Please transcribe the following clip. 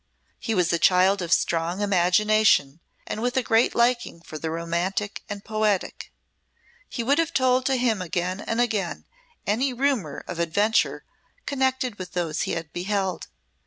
He was a child of strong imagination and with a great liking for the romantic and poetic. He would have told to him again and again any rumour of adventure connected with those he had beheld.